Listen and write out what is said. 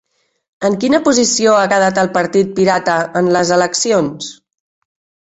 En quina posició ha quedat el Partit Pirata en les eleccions?